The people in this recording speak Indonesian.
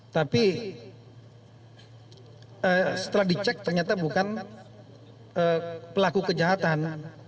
tapi setelah dicek ternyata bukan pelaku kejahatan